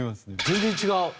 全然違う。